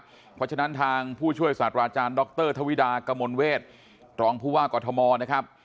เพราะฉะนั้นทางผู้ช่วยศาสตราอาจารย์ดรธวิดากมลเวทรองผู้ว่ากอทมนะครับ